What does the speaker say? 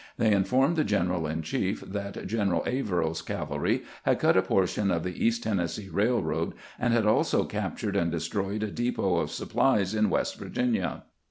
They informed the general in chief that General Averell's; cavalry had cut a portion of the East Tennessee Railroad, and had also captured and destroyed a depot of supplies in West Virginia.